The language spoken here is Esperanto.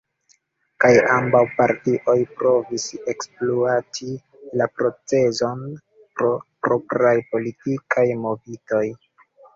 Kaj ambaŭ partioj provis ekspluati la procezon pro propraj politikaj motivoj.